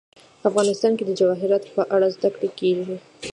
افغانستان کې د جواهرات په اړه زده کړه کېږي.